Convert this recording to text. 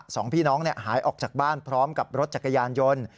สองพี่น้องหายออกจากบ้านพร้อมกับรถจักรยานยนต์